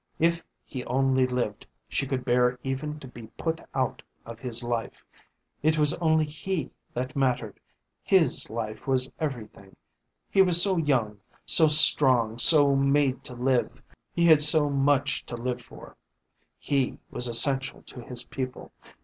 If he only lived she could bear even to be put out of his life. It was only he that mattered, his life was everything. He was so young, so strong, so made to live. He had so much to live for. He was essential to his people.